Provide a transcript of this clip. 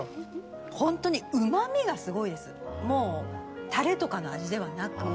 ホントに旨味がすごいですもうタレとかの味ではなく。